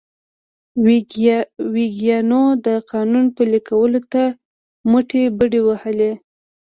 ویګیانو د قانون پلي کولو ته مټې بډ وهلې.